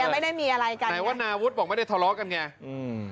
ไม่ได้มีอะไรกันแต่ว่านาวุฒิบอกไม่ได้ทะเลาะกันไงอืม